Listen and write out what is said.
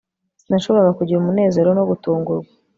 Sinashoboraga kugira umunezero no gutungurwa